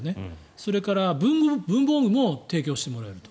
それから文房具も提供してもらえると。